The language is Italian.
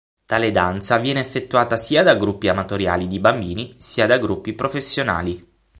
Tale danza viene effettuata sia da gruppi amatoriali di bambini, sia da gruppi professionali.